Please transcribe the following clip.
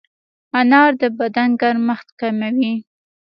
انار د بدن ګرمښت کموي.